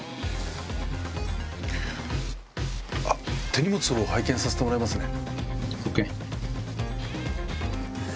手荷物を拝見させてもらいますね。ＯＫ。